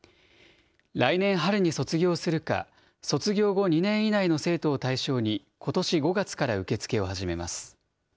来年春に卒業するか、卒業後２年以内の生徒を対象に、ことし５月から受け付けを始めます。